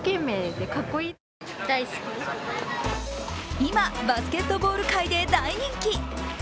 今、バスケットボール界で大人気。